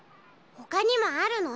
ほかにもあるの？